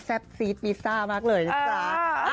แซ่บซีดพีซ่ามากเลยน่ะค่ะ